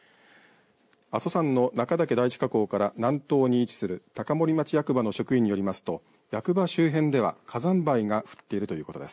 阿蘇山の中岳第一火口から南東に位置する高森町役場の職員によりますと役場周辺では火山灰が降っているということです。